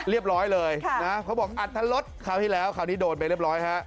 เรียบร้อยเลยนะเขาบอกอัตรรสคราวที่แล้วคราวนี้โดนไปเรียบร้อยฮะ